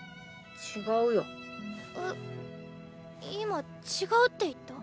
今違うって言った？